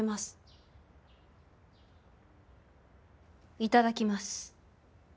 いただきます。